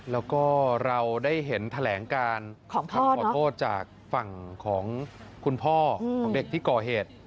แล้วก็เราได้เห็นแถลงการคำขอโทษจากฝั่งของคุณพ่อของเด็กที่ก่อเหตุ